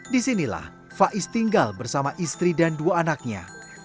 di sinilah faiz tinggal bersama istri dan dua anaknya